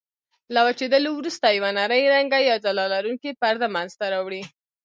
له وچېدلو وروسته یوه نرۍ رنګه یا ځلا لرونکې پرده منځته راوړي.